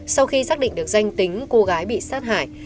sau khi xác định được danh tính cô gái bị sát hại